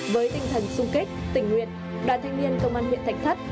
với tinh thần sung kích tình nguyện đoàn thanh niên công an huyện thách thách